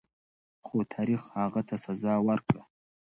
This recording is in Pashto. خو تاریخ هغه ته سزا ورکړه.